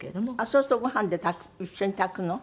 そうするとご飯で炊く一緒に炊くの？